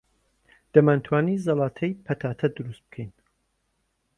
دەمانتوانی زەڵاتەی پەتاتە دروست بکەین.